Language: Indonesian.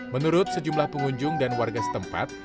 menurut sejumlah pengunjung dan warga setempat